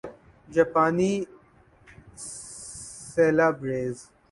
جاپانی سیلابریز